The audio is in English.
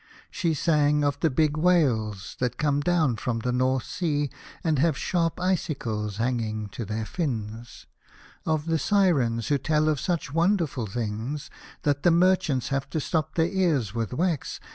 She sang of the big whales that come down from the north seas and have sharp icicles hanging to their fins ; of the Sirens who tell of such wonderful things that the merchants have to stop their ears with wax 66 The Fisherman and his Soul.